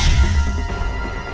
aku akan menghina kau